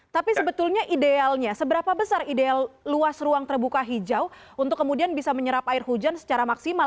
tapi sebetulnya idealnya seberapa besar ideal luas ruang terbuka hijau untuk kemudian bisa menyerap air hujan secara maksimal